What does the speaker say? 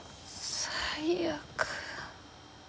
最悪。